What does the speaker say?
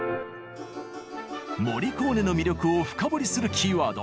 モリコーネの魅力を深掘りするキーワード